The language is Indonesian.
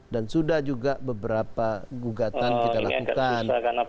dan sudah juga beberapa gugatan kita lakukan